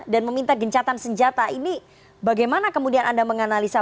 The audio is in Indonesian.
dan meminta gencatan senjata ini bagaimana kemudian anda menganalisa